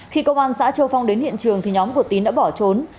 khi công an xã châu phong đến hiện trường thì nhóm của tín đã bỏ trốn